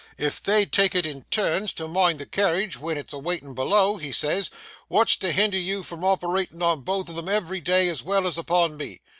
If they take it in turns to mind the carriage when it's a waitin' below," he says, "wot's to hinder you from operatin' on both of 'em ev'ry day as well as upon me?